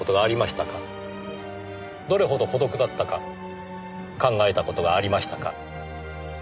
どれほど孤独だったか考えた事がありましたか？